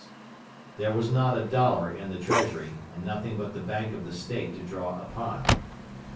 There was not a dollar in the treasury, and nothing but the bank of the State to draw upon.